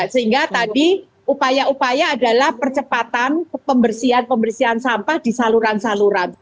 sehingga tadi upaya upaya adalah percepatan pembersihan pembersihan sampah di saluran saluran